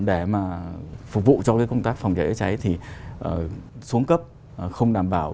để mà phục vụ cho công tác phòng cháy cháy thì xuống cấp không đảm bảo